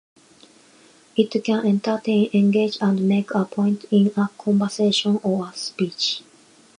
It can entertain, engage, and make a point in a conversation or speech.